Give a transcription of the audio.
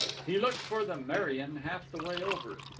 He looked for the Merian half the way over.